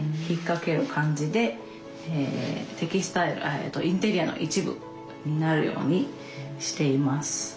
引っ掛ける感じでテキスタイルインテリアの一部になるようにしています。